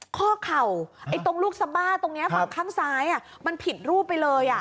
ข้อเข่าตรงลูกสบ้าตรงนี้ฝั่งข้างซ้ายมันผิดรูปไปเลย